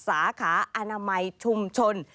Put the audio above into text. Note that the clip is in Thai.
สาขาอนามัยชุมชน